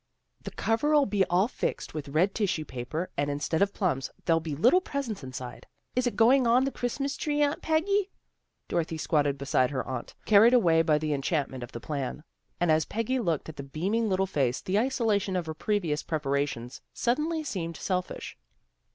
" The cover'll be all fixed with red tissue paper, and, instead of plums, there'll be little presents inside." "Is it going on the Christmas tree, Aunt Peggy? " Dorothy squatted beside her aunt, carried away by the enchantment of the plan. And as Peggy looked at the beaming little face the isolation of her previous preparations suddenly seemed selfish.